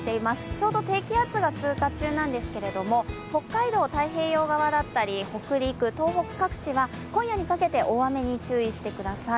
ちょうど低気圧が通過中なんですけど北海道、太平洋側だったり北陸、東北各地は今夜にかけて大雨に注意してください。